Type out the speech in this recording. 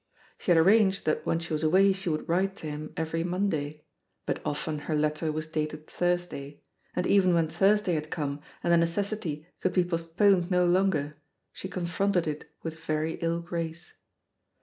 She had arranged that when she was away she would write to him every Monday, but often her letter was dated "Thiu'sday," and even when Thursday had come and the necessity could be postponed no longer, she confronted it with very ill grace.